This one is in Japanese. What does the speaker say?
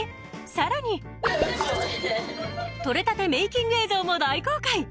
さらに撮れたてメイキング映像も大公開！